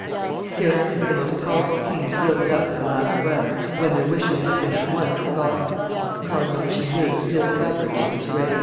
Scarcely had the most powerful kings yielded up their last breath, when their wishes had been at once forgotten: Cardinal Richelieu still governed in his grave.